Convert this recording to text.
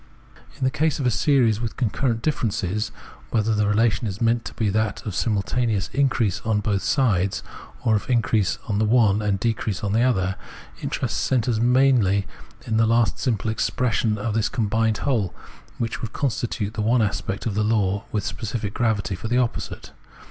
In the case of a series with concurrent differences — whether the relation is meant to be that of simultaneous increase on both sides or of increase in the one and decrease in the other — interest centres merely in the last simple expression of this combined whole, which would constitute the one aspect of the law with specific gravity for the opposite.